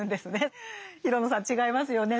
廣野さん違いますよね。